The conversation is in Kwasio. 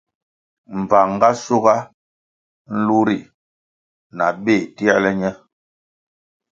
Mbvang ga schuga nlu ri na béh tierle ñe.